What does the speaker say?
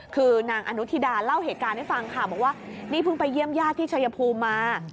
คือนางอนุทิดาเล่าเหตุการณ์ให้ฟังค่ะบอกว่านี่เพิ่งไปเยี่ยมญาติที่ชายภูมิมา